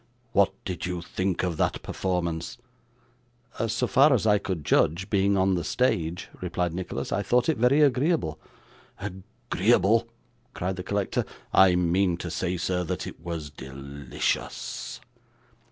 'What did you think of that performance?' 'So far as I could judge, being on the stage,' replied Nicholas, 'I thought it very agreeable.' 'Agreeable!' cried the collector. 'I mean to say, sir, that it was delicious.